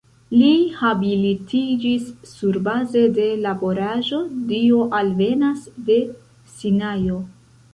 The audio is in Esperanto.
Li habilitiĝis surbaze de laboraĵo "Dio alvenas de Sinajo.